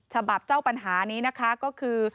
เจ้าปัญหานี้นะคะก็คือ